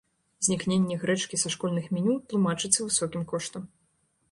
Знікненне грэчкі са школьных меню тлумачыцца высокім коштам.